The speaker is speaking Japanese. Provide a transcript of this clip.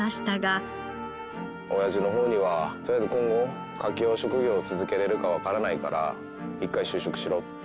親父のほうにはとりあえず今後カキ養殖業を続けられるかわからないから一回就職しろと。